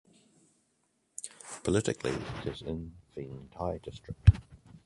Politically, it is in Fengtai District.